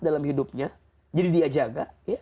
dalam hidupnya jadi dia jaga